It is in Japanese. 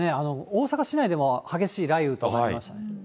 大阪市内でも激しい雷雨となりました。